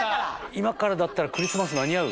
今からだったらクリスマス間に合う？